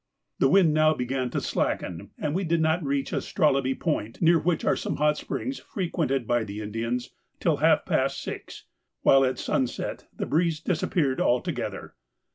The wind now began to slacken, and we did not reach Astrolabe Point, near which are some hot springs frequented by the Indians, till half past six, while at sunset the breeze disappeared altogether.